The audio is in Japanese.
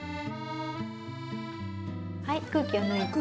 はい空気を抜いて。